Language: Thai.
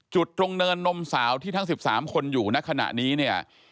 จุดตรงเนินนมสาวที่ทั้ง๑๓คนอยู่ในขณะนี้เนี่ย